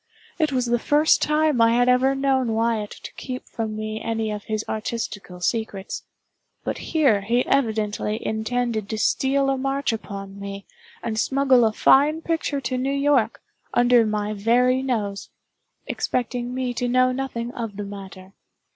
It was the first time I had ever known Wyatt to keep from me any of his artistical secrets; but here he evidently intended to steal a march upon me, and smuggle a fine picture to New York, under my very nose; expecting me to know nothing of the matter.